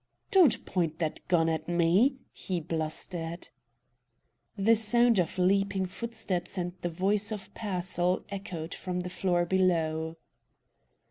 "Don't point that gun at me!" he blustered. The sound of leaping footsteps and the voice of Pearsall echoed from the floor below.